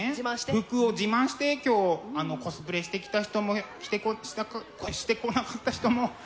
服を自慢して今日コスプレしてきた人も着てしてこなかった人も自慢して。